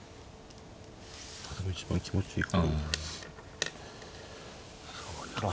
これも一番気持ちいい。